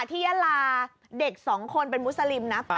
ยาลาเด็กสองคนเป็นมุสลิมนะ